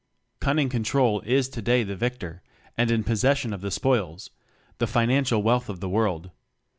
Cunning control is today the vic tor, and in possession of the spoils the financial wealth of the world.